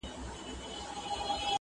پاچهي پاچهانو لره ښايي، لويي خداى لره.